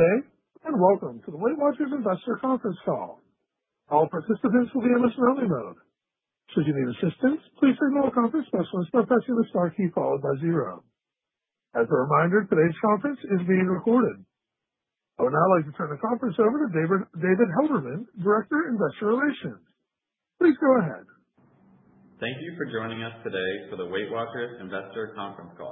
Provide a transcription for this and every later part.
Good day and welcome to the Weight Watchers Conference Call. All participants will be in a listen-only mode. Should you need assistance, please signal a conference specialist by pressing the star key followed by zero. As a reminder, today's conference is being recorded. I would now like to turn the conference over to David Helderman, Director of Investor Relations. Please go ahead. Thank you for joining us today for the Weight Watchers Conference Call.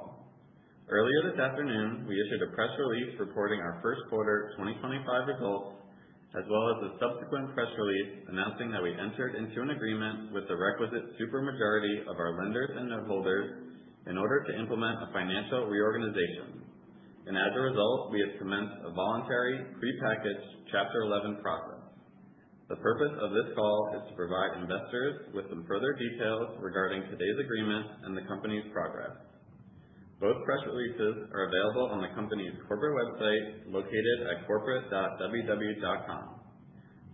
Earlier this afternoon, we issued a press release reporting our first quarter 2025 results, as well as a subsequent press release announcing that we entered into an agreement with the requisite supermajority of our lenders and noteholders in order to implement a financial reorganization. As a result, we have commenced a voluntary prepackaged Chapter 11 process. The purpose of this call is to provide investors with some further details regarding today's agreement and the company's progress. Both press releases are available on the company's corporate website located at corporate.ww.com.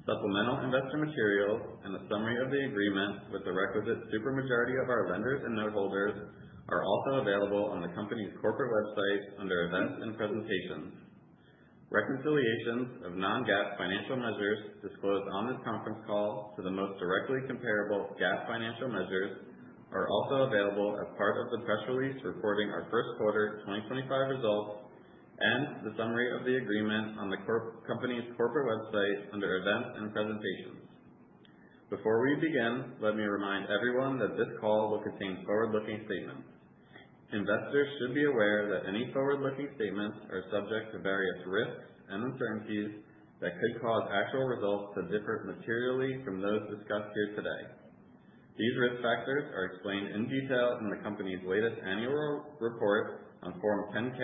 Supplemental investor materials and a summary of the agreement with the requisite supermajority of our lenders and noteholders are also available on the company's corporate website under Events and Presentations. Reconciliations of non-GAAP financial measures disclosed on this conference call to the most directly comparable GAAP financial measures are also available as part of the press release reporting our first quarter 2025 results and the summary of the agreement on the company's corporate website under Events and Presentations. Before we begin, let me remind everyone that this call will contain forward-looking statements. Investors should be aware that any forward-looking statements are subject to various risks and uncertainties that could cause actual results to differ materially from those discussed here today. These risk factors are explained in detail in the company's latest annual report on Form 10-K,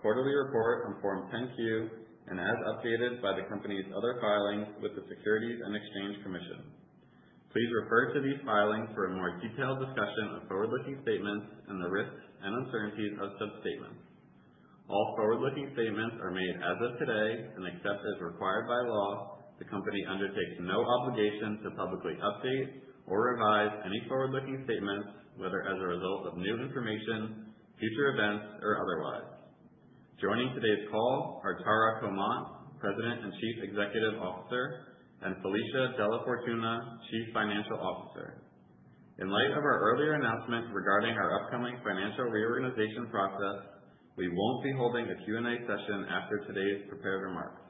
quarterly report on Form 10-Q, and as updated by the company's other filings with the Securities and Exchange Commission. Please refer to these filings for a more detailed discussion of forward-looking statements and the risks and uncertainties of such statements. All forward-looking statements are made as of today and, except as required by law, the company undertakes no obligation to publicly update or revise any forward-looking statements, whether as a result of new information, future events, or otherwise. Joining today's call are Tara Comonte, President and Chief Executive Officer, and Felicia DellaFortuna, Chief Financial Officer. In light of our earlier announcement regarding our upcoming financial reorganization process, we won't be holding a Q&A session after today's prepared remarks.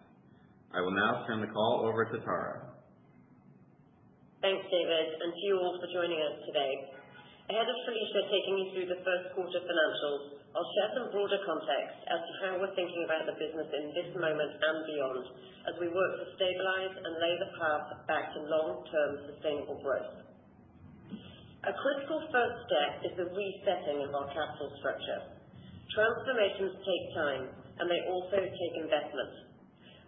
I will now turn the call over to Tara. Thanks, David, and to you all for joining us today. Ahead of Felicia taking you through the first quarter financials, I'll share some broader context as to how we're thinking about the business in this moment and beyond as we work to stabilize and lay the path back to long-term sustainable growth. A critical first step is the resetting of our capital structure. Transformations take time, and they also take investment.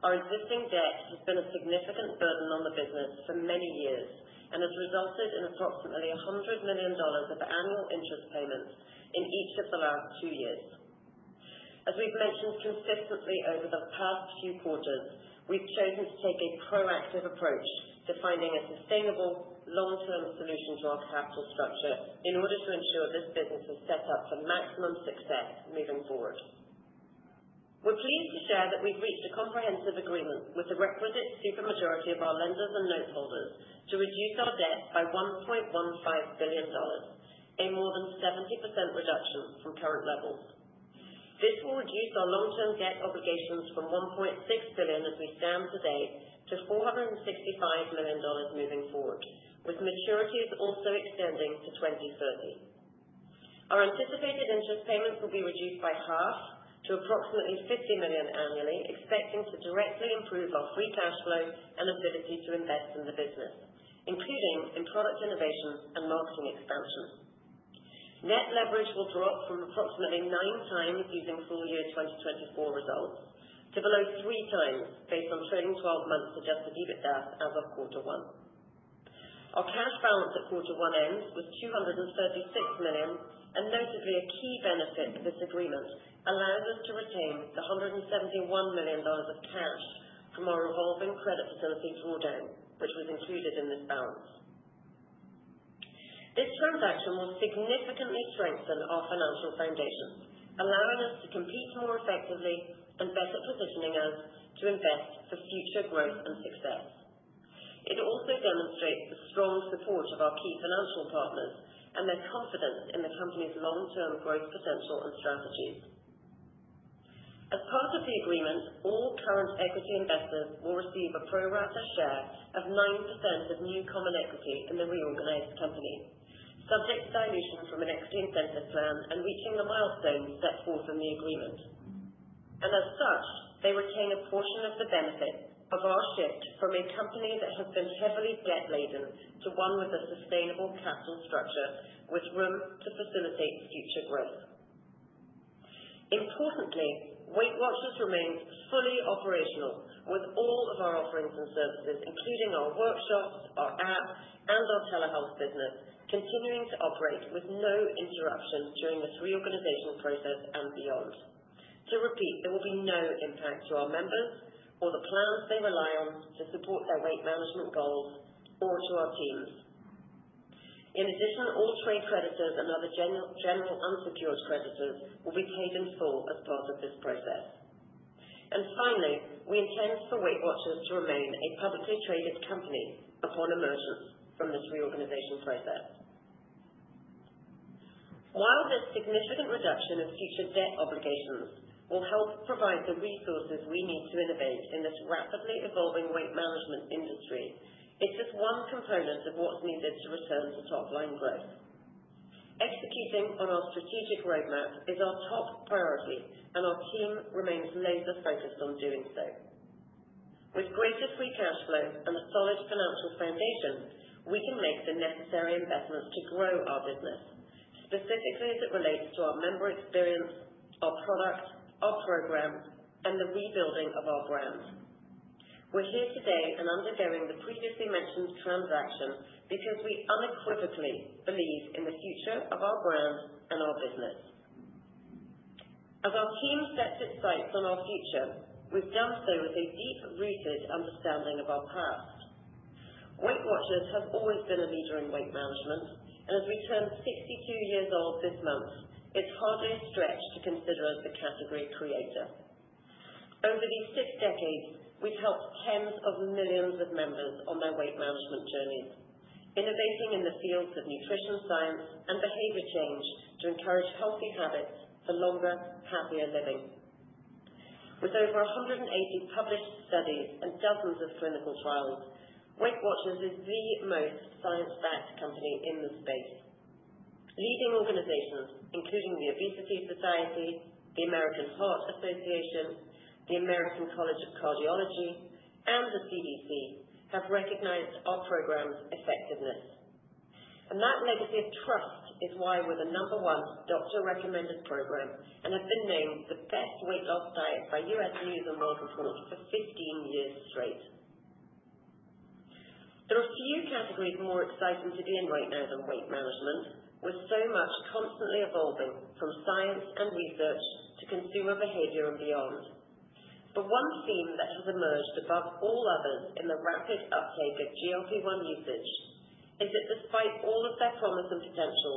Our existing debt has been a significant burden on the business for many years and has resulted in approximately $100 million of annual interest payments in each of the last two years. As we've mentioned consistently over the past few quarters, we've chosen to take a proactive approach to finding a sustainable long-term solution to our capital structure in order to ensure this business is set up for maximum success moving forward. We're pleased to share that we've reached a comprehensive agreement with the requisite supermajority of our lenders and noteholders to reduce our debt by $1.15 billion, a more than 70% reduction from current levels. This will reduce our long-term debt obligations from $1.6 billion as we stand today to $465 million moving forward, with maturities also extending to 2030. Our anticipated interest payments will be reduced by 1/2 to approximately $50 million annually, expecting to directly improve our free cash flow and ability to invest in the business, including in product innovation and marketing expansion. Net leverage will drop from approximately 9x using full year 2024 results to below 3x based on trailing 12 months adjusted EBITDA as of quarter one. Our cash balance at quarter one ends with $236 million, and notably, a key benefit of this agreement allows us to retain the $171 million of cash from our revolving credit facility drawdown, which was included in this balance. This transaction will significantly strengthen our financial foundation, allowing us to compete more effectively and better positioning us to invest for future growth and success. It also demonstrates the strong support of our key financial partners and their confidence in the company's long-term growth potential and strategies. As part of the agreement, all current equity investors will receive a pro-rata share of 9% of new common equity in the reorganized company, subject to dilution from an equity incentive plan and reaching the milestones set forth in the agreement. As such, they retain a portion of the benefits of our shift from a company that has been heavily debt-laden to one with a sustainable capital structure with room to facilitate future growth. Importantly, Weight Watchers remains fully operational with all of our offerings and services, including our workshops, our app, and our telehealth business continuing to operate with no interruptions during this reorganization process and beyond. To repeat, there will be no impact to our members or the plans they rely on to support their weight management goals or to our teams. In addition, all trade creditors and other general unsecured creditors will be paid in full as part of this process. Finally, we intend for Weight Watchers to remain a publicly traded company upon emergence from this reorganization process. While this significant reduction in future debt obligations will help provide the resources we need to innovate in this rapidly evolving weight management industry, it's just one component of what's needed to return to top-line growth. Executing on our strategic roadmap is our top priority, and our team remains laser-focused on doing so. With greater free cash flow and a solid financial foundation, we can make the necessary investments to grow our business, specifically as it relates to our member experience, our product, our program, and the rebuilding of our brand. We're here today and undergoing the previously mentioned transaction because we unequivocally believe in the future of our brand and our business. As our team sets its sights on our future, we've done so with a deep-rooted understanding of our past. WW International has always been a leader in weight management, and as we turn 62 years old this month, it's hardly a stretch to consider us the category creator. Over these six decades, we've helped tens of millions of members on their weight management journeys, innovating in the fields of nutrition science and behavior change to encourage healthy habits for longer, happier living. With over 180 published studies and dozens of clinical trials, Weight Watchers is the most science-backed company in the space. Leading organizations, including the Obesity Society, the American Heart Association, the American College of Cardiology, and the CDC, have recognized our program's effectiveness. That legacy of trust is why we're the number one doctor-recommended program and have been named the best weight loss diet by US News and World Report for 15 years straight. There are a few categories more exciting to be in right now than weight management, with so much constantly evolving from science and research to consumer behavior and beyond. One theme that has emerged above all others in the rapid uptake of GLP-1 usage is that despite all of their promise and potential,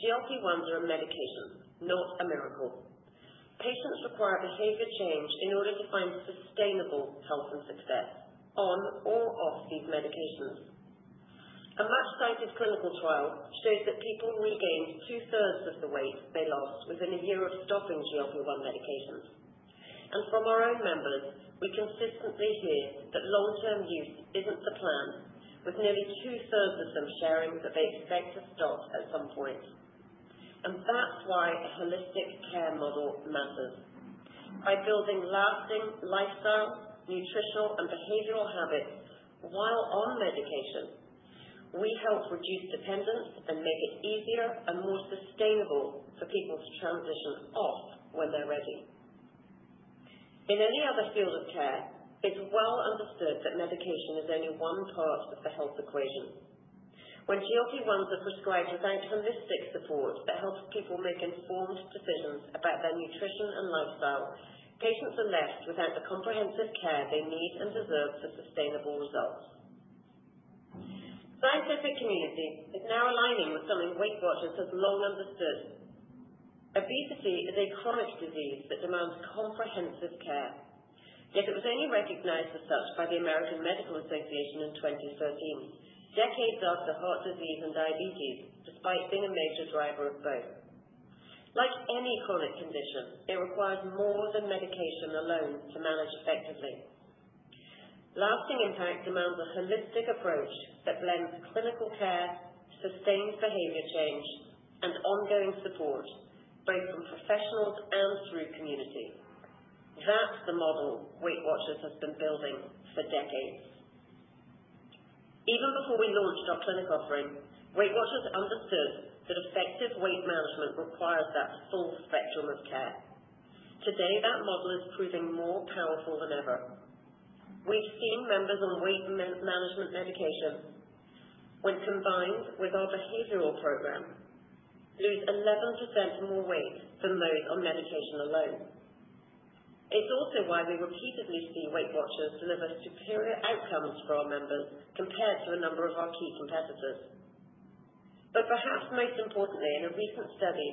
GLP-1s are a medication, not a miracle. Patients require behavior change in order to find sustainable health and success on or off these medications. A much-cited clinical trial showed that people regained 2/3 of the weight they lost within a year of stopping GLP-1 medications. From our own members, we consistently hear that long-term use isn't the plan, with nearly 2/3 of them sharing that they expect to stop at some point. That's why a holistic care model matters. By building lasting lifestyle, nutritional, and behavioral habits while on medication, we help reduce dependence and make it easier and more sustainable for people to transition off when they're ready. In any other field of care, it's well understood that medication is only one part of the health equation. When GLP-1s are prescribed without holistic support that helps people make informed decisions about their nutrition and lifestyle, patients are left without the comprehensive care they need and deserve for sustainable results. The scientific community is now aligning with something Weight Watchers has long understood: obesity is a chronic disease that demands comprehensive care. Yet it was only recognized as such by the American Medical Association in 2013, decades after heart disease and diabetes, despite being a major driver of both. Like any chronic condition, it requires more than medication alone to manage effectively. Lasting impact demands a holistic approach that blends clinical care, sustained behavior change, and ongoing support, both from professionals and through community. That's the model Weight Watchers has been building for decades. Even before we launched our clinic offering, Weight Watchers understood that effective weight management requires that full spectrum of care. Today, that model is proving more powerful than ever. We've seen members on weight management medication, when combined with our behavioral program, lose 11% more weight than those on medication alone. It's also why we repeatedly see Weight Watchers deliver superior outcomes for our members compared to a number of our key competitors. Perhaps most importantly, in a recent study,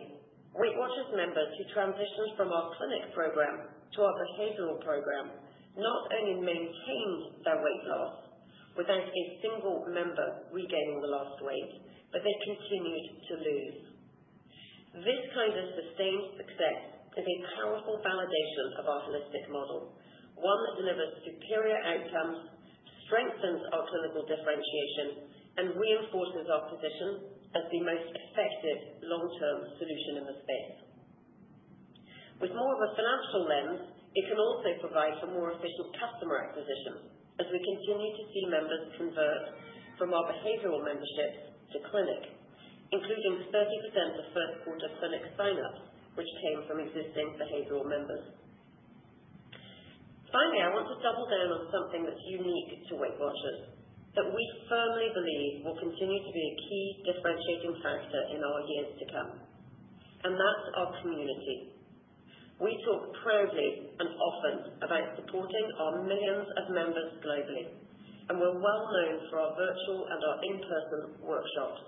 Weight Watchers members who transitioned from our clinic program to our behavioral program not only maintained their weight loss without a single member regaining the lost weight, but they continued to lose. This kind of sustained success is a powerful validation of our holistic model, one that delivers superior outcomes, strengthens our clinical differentiation, and reinforces our position as the most effective long-term solution in the space. With more of a financial lens, it can also provide for more efficient customer acquisition as we continue to see members convert from our behavioral membership to clinic, including 30% of first-quarter clinic sign-ups which came from existing behavioral members. Finally, I want to double down on something that's unique to Weight Watchers that we firmly believe will continue to be a key differentiating factor in our years to come, and that's our community. We talk proudly and often about supporting our millions of members globally, and we're well known for our virtual and our in-person workshops.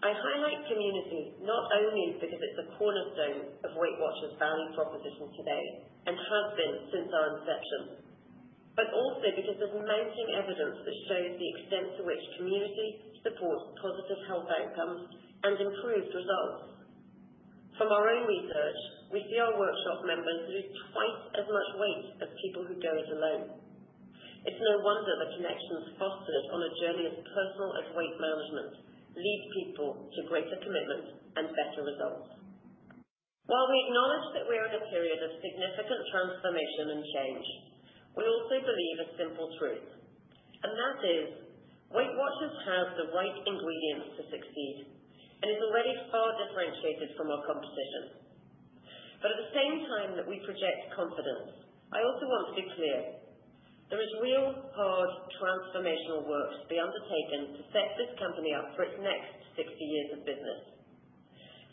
I highlight community not only because it's a cornerstone of Weight Watchers's value proposition today and has been since our inception, but also because there's mounting evidence that shows the extent to which community supports positive health outcomes and improved results. From our own research, we see our workshop members lose twice as much weight as people who go it alone. It's no wonder the connections fostered on a journey as personal as weight management lead people to greater commitment and better results. While we acknowledge that we're in a period of significant transformation and change, we also believe a simple truth, and that is Weight Watchers has the right ingredients to succeed and is already far differentiated from our competition. At the same time that we project confidence, I also want to be clear: there is real, hard, transformational work to be undertaken to set this company up for its next 60 years of business.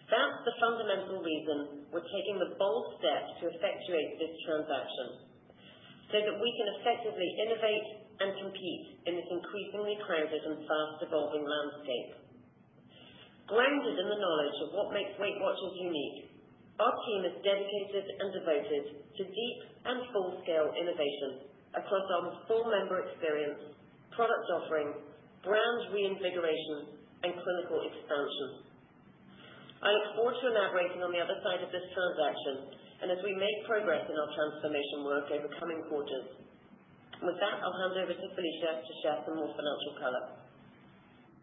That's the fundamental reason we're taking the bold step to effectuate this transaction so that we can effectively innovate and compete in this increasingly crowded and fast-evolving landscape. Grounded in the knowledge of what makes Weight Watchers unique, our team is dedicated and devoted to deep and full-scale innovation across our full member experience, product offering, brand reinvigoration, and clinical expansion. I look forward to elaborating on the other side of this transaction and as we make progress in our transformation work over coming quarters. With that, I'll hand over to Felicia to share some more financial color.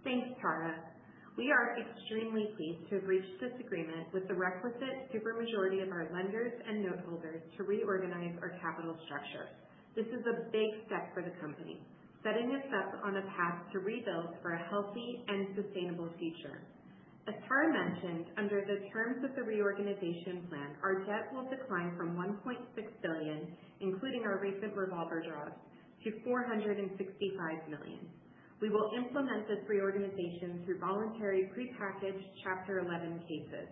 Thanks, Tara. We are extremely pleased to have reached this agreement with the requisite supermajority of our lenders and noteholders to reorganize our capital structure. This is a big step for the company, setting us up on a path to rebuild for a healthy and sustainable future. As Tara mentioned, under the terms of the reorganization plan, our debt will decline from $1.6 billion, including our recent revolver draws, to $465 million. We will implement this reorganization through voluntary prepackaged Chapter 11 cases.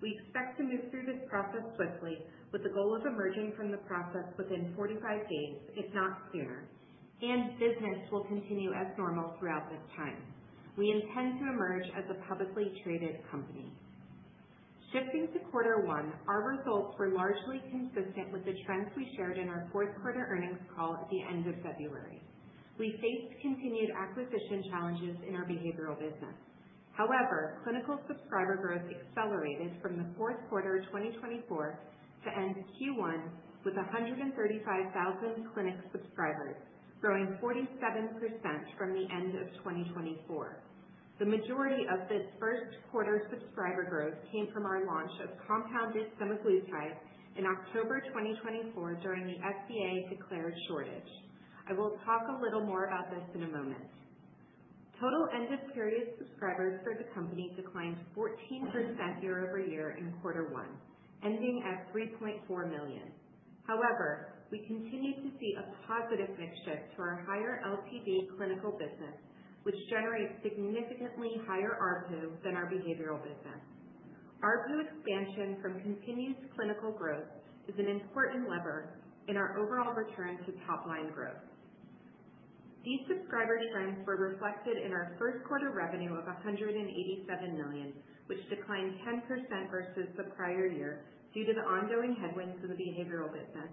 We expect to move through this process swiftly, with the goal of emerging from the process within 45 days, if not sooner, and business will continue as normal throughout this time. We intend to emerge as a publicly traded company. Shifting to quarter one, our results were largely consistent with the trends we shared in our fourth-quarter earnings call at the end of February. We faced continued acquisition challenges in our behavioral business. However, clinical subscriber growth accelerated from the fourth quarter of 2024 to end Q1 with 135,000 clinic subscribers, growing 47% from the end of 2024. The majority of this first-quarter subscriber growth came from our launch of compounded semaglutide in October 2024 during the FDA-declared shortage. I will talk a little more about this in a moment. Total end-of-period subscribers for the company declined 14% year-over-year in quarter one, ending at 3.4 million. However, we continue to see a positive mixture to our higher LTV clinical business, which generates significantly higher RPU than our behavioral business. RPU expansion from continued clinical growth is an important lever in our overall return to top-line growth. These subscriber trends were reflected in our first-quarter revenue of $187 million, which declined 10% versus the prior year due to the ongoing headwinds in the behavioral business,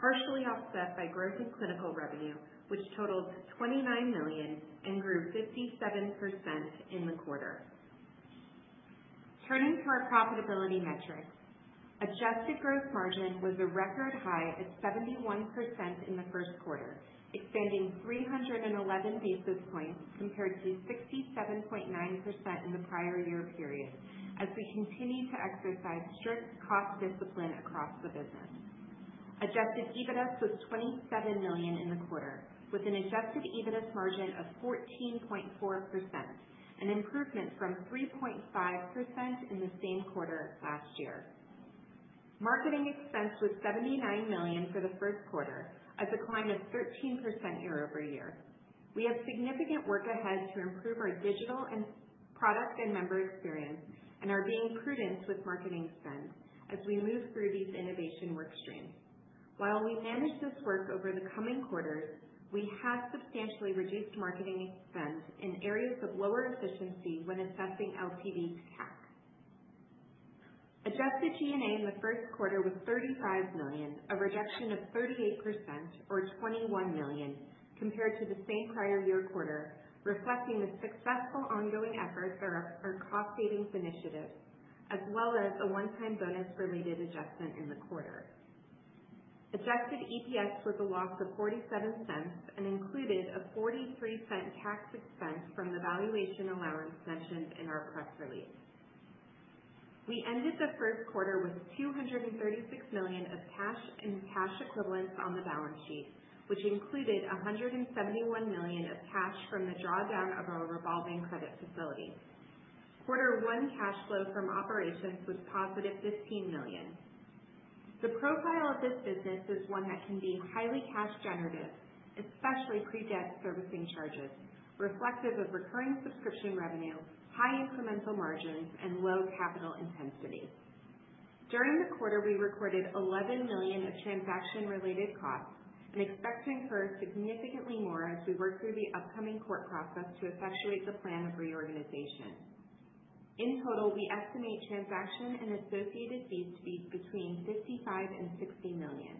partially offset by growth in clinical revenue, which totaled $29 million and grew 57% in the quarter. Turning to our profitability metrics, adjusted gross margin was a record high at 71% in the first quarter, expanding 311 basis points compared to 67.9% in the prior year period as we continue to exercise strict cost discipline across the business. Adjusted EBITDA was $27 million in the quarter, with an adjusted EBITDA margin of 14.4%, an improvement from 3.5% in the same quarter last year. Marketing expense was $79 million for the first quarter, a decline of 13% year-over-year. We have significant work ahead to improve our digital product and member experience and are being prudent with marketing spend as we move through these innovation work streams. While we manage this work over the coming quarters, we have substantially reduced marketing spend in areas of lower efficiency when assessing LTV to CAC. Adjusted G&A in the first quarter was $35 million, a reduction of 38% or $21 million compared to the same prior year quarter, reflecting the successful ongoing efforts of our cost savings initiative, as well as a one-time bonus-related adjustment in the quarter. Adjusted EPS was a loss of $0.47 and included a $0.43 tax expense from the valuation allowance mentioned in our press release. We ended the first quarter with $236 million of cash and cash equivalents on the balance sheet, which included $171 million of cash from the drawdown of our revolving credit facility. Quarter one cash flow from operations was positive $15 million. The profile of this business is one that can be highly cash-generative, especially pre-debt servicing charges, reflective of recurring subscription revenue, high incremental margins, and low capital intensity. During the quarter, we recorded $11 million of transaction-related costs and expect to incur significantly more as we work through the upcoming court process to effectuate the plan of reorganization. In total, we estimate transaction and associated fees to be between $55 million-$60 million.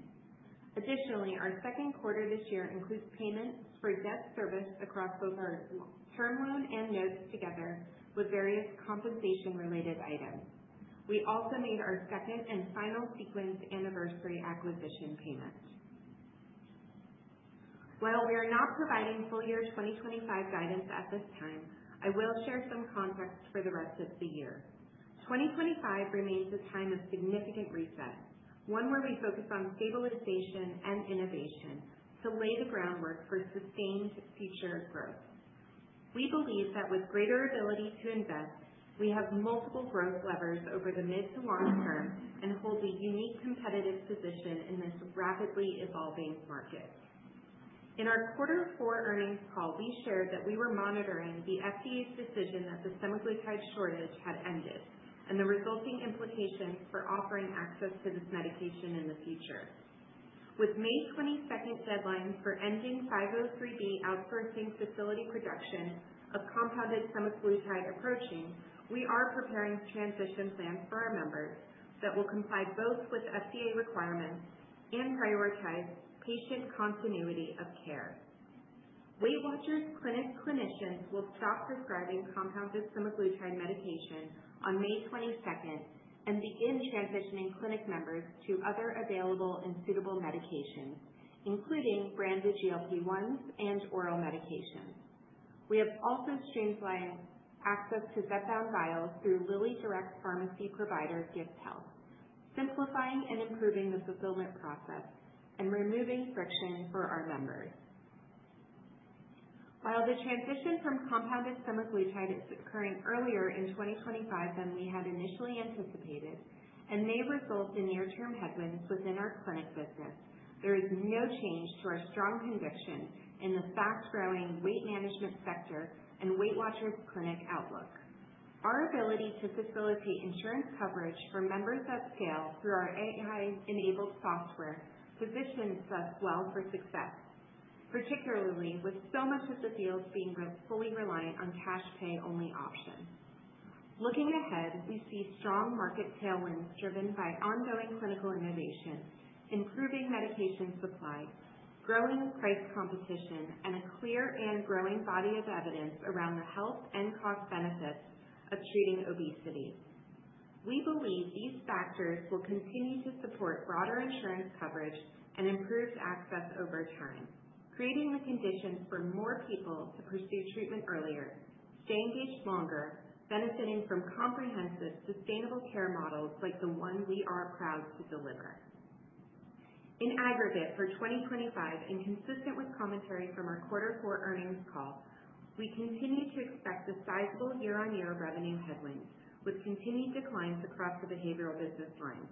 Additionally, our second quarter this year includes payments for debt service across both our term loan and notes together with various compensation-related items. We also made our second and final Sequence anniversary acquisition payment. While we are not providing full year 2025 guidance at this time, I will share some context for the rest of the year. 2025 remains a time of significant reset, one where we focus on stabilization and innovation to lay the groundwork for sustained future growth. We believe that with greater ability to invest, we have multiple growth levers over the mid to long term and hold a unique competitive position in this rapidly evolving market. In our quarter four earnings call, we shared that we were monitoring the FDA's decision that the semaglutide shortage had ended and the resulting implications for offering access to this medication in the future. With the May 22 deadline for ending 503B outsourcing facility production of compounded semaglutide approaching, we are preparing transition plans for our members that will comply both with FDA requirements and prioritize patient continuity of care. Weight Watchers clinic clinicians will stop prescribing compounded semaglutide medication on May 22 and begin transitioning clinic members to other available and suitable medications, including branded GLP-1s and oral medications. We have also streamlined access to Zepbound vials through LillyDirect Pharmacy provider Gift Health, simplifying and improving the fulfillment process and removing friction for our members. While the transition from compounded semaglutide is occurring earlier in 2025 than we had initially anticipated and may result in near-term headwinds within our clinic business, there is no change to our strong conviction in the fast-growing weight management sector and Weight Watchers clinic outlook. Our ability to facilitate insurance coverage for members at scale through our AI-enabled software positions us well for success, particularly with so much of the field being fully reliant on cash-pay-only options. Looking ahead, we see strong market tailwinds driven by ongoing clinical innovation, improving medication supply, growing price competition, and a clear and growing body of evidence around the health and cost benefits of treating obesity. We believe these factors will continue to support broader insurance coverage and improved access over time, creating the conditions for more people to pursue treatment earlier, stay engaged longer, benefiting from comprehensive sustainable care models like the one we are proud to deliver. In aggregate, for 2025, and consistent with commentary from our quarter four earnings call, we continue to expect a sizable year-on-year revenue headwind with continued declines across the behavioral business lines.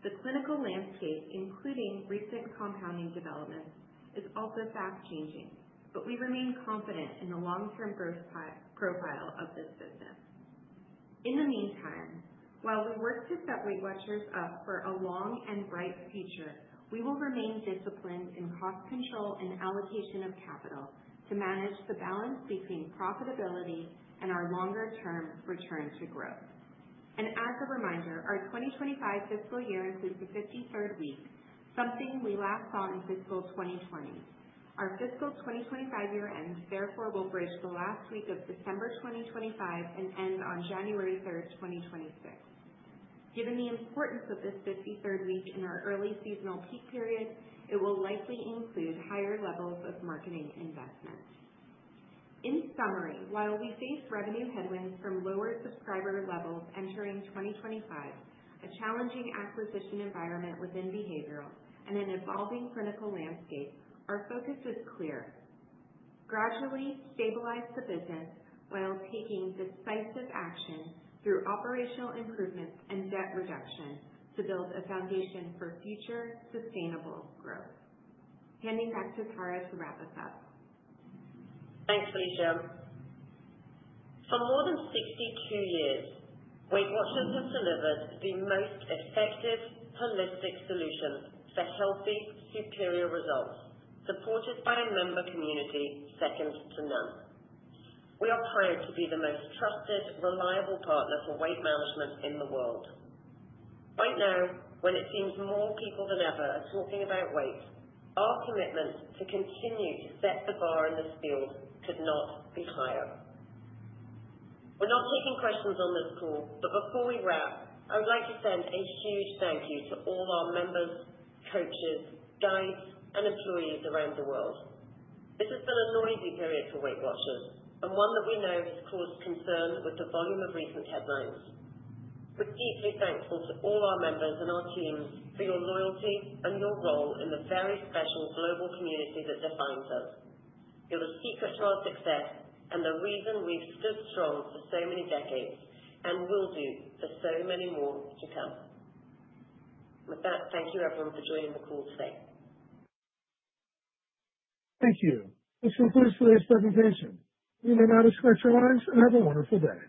The clinical landscape, including recent compounding developments, is also fast-changing, but we remain confident in the long-term growth profile of this business. In the meantime, while we work to set Weight Watchers up for a long and bright future, we will remain disciplined in cost control and allocation of capital to manage the balance between profitability and our longer-term return to growth. As a reminder, our 2025 fiscal year includes the 53rd week, something we last saw in fiscal 2020. Our fiscal 2025 year-end, therefore, will bridge the last week of December 2025 and end on January 3rd, 2026. Given the importance of this 53rd week in our early seasonal peak period, it will likely include higher levels of marketing investment. In summary, while we face revenue headwinds from lower subscriber levels entering 2025, a challenging acquisition environment within behavioral, and an evolving clinical landscape, our focus is clear: gradually stabilize the business while taking decisive action through operational improvements and debt reduction to build a foundation for future sustainable growth. Handing back to Tara to wrap us up. Thanks, Felicia. For more than 62 years, Weight Watchers has delivered the most effective, holistic solution for healthy, superior results, supported by a member community second to none. We are proud to be the most trusted, reliable partner for weight management in the world. Right now, when it seems more people than ever are talking about weight, our commitment to continue to set the bar in this field could not be higher. We're not taking questions on this call, but before we wrap, I would like to send a huge thank you to all our members, coaches, guides, and employees around the world. This has been a noisy period for Weight Watchers, and one that we know has caused concern with the volume of recent headlines. We're deeply thankful to all our members and our teams for your loyalty and your role in the very special global community that defines us. You're the secret to our success and the reason we've stood strong for so many decades and will do for so many more to come. With that, thank you, everyone, for joining the call today. Thank you. This concludes today's presentation. You may now disconnect your lines and have a wonderful day.